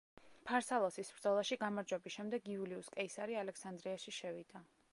ფარსალოსის ბრძოლაში გამარჯვების შემდეგ იულიუს კეისარი ალექსანდრიაში შევიდა.